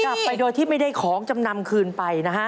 กลับไปโดยที่ไม่ได้ของจำนำคืนไปนะฮะ